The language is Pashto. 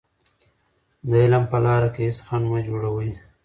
د علم په لاره کې هېڅ خنډ مه جوړوئ.